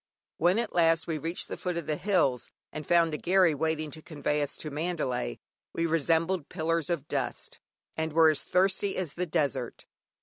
When at last we reached the foot of the hills, and found a "gharry" waiting to convey us to Mandalay, we resembled pillars of dust, and were as thirsty as the desert.